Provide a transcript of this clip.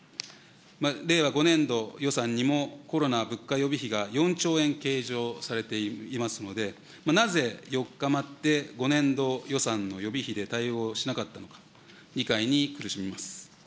令和５年度予算にもコロナ物価予備費が４兆円計上されていますので、なぜ４日待って５年度予算の予備費で対応しなかったのか、理解に苦しみます。